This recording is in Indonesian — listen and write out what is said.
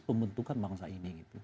pembentukan bangsa ini